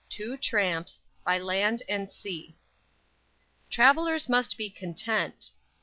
TWO TRAMPS. BY LAND AND SEA. _"Travelers must be content."